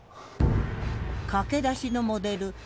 駆け出しのモデル橋本